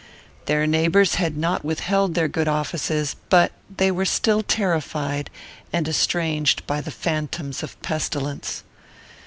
Their neighbours had not withheld their good offices, but they were still terrified and estranged by the phantoms of pestilence.